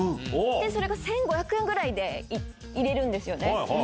それが１５００円ぐらいでいれるんですよね。